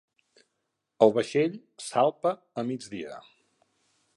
El vaixell salpa a migdia.